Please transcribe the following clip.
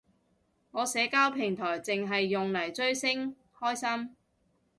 我社交平台剩係用嚟追星，開心